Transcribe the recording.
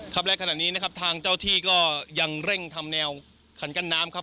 ครับและขณะนี้นะครับทางเจ้าที่ก็ยังเร่งทำแนวขันกั้นน้ำครับ